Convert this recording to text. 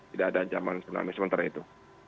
tidak ada ancaman tsunami sementara itu